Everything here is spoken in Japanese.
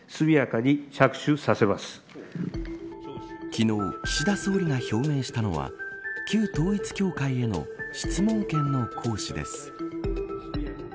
昨日、岸田総理が表明したのは旧統一教会への質問権の行使です。